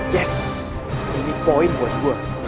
yes ini poin buat gue